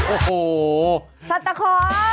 โอ้โหสัตตาโค้ด